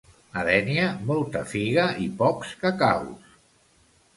A Dénia, molta figa i pocs cacaus.